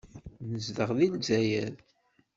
Nezdeɣ deg Lezzayer.